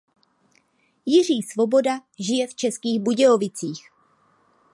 Jiří Svoboda žije v Českých Budějovicích.